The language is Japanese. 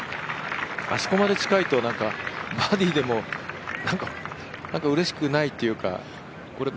あそこまで近いと、バーディーでもなんか、うれしくないっていうか。